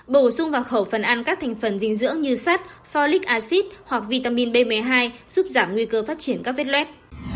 bổ sung vào khẩu phần ăn các thành phần dinh dưỡng như sắt forlic acid hoặc vitamin b một mươi hai giúp giảm nguy cơ phát triển các vết luet